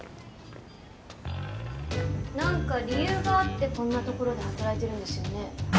何か理由があってこんな所で働いてるんですよね？